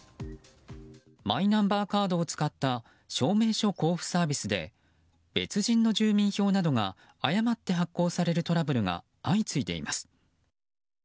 マイナンバーカードを使った証明書交付サービスで別人の住民票などが誤って発行されるトラブルが相次いでいます。